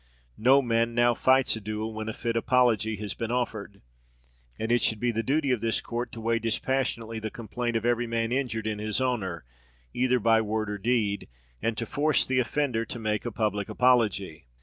No man now fights a duel when a fit apology has been offered; and it should be the duty of this court to weigh dispassionately the complaint of every man injured in his honour, either by word or deed, and to force the offender to make a public apology.